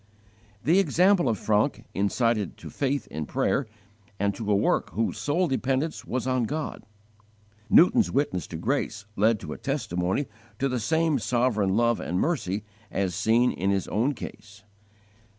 The example of Francke incited to faith in prayer and to a work whose sole dependence was on God. Newton's witness to grace led to a testimony to the same sovereign love and mercy as seen in his own case.